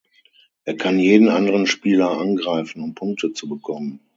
Er kann jeden anderen Spieler angreifen, um Punkte zu bekommen.